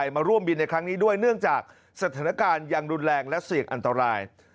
มาร่วมบินในครั้งนี้ด้วยเนื่องจากสถานการณ์ยังรุนแรงและเสี่ยงอันตราย